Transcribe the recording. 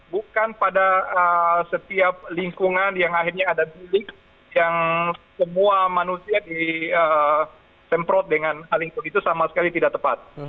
bukan pada setiap lingkungan yang akhirnya ada bilik yang semua manusia disemprot dengan lingkup itu sama sekali tidak tepat